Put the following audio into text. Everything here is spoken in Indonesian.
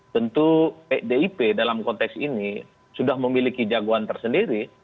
tentu pdip dalam konteks ini sudah memiliki jagoan tersendiri